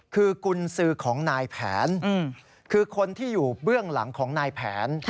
คือกุญสือของนายแผนคือคนที่อยู่เบื้องหลังของนายแผน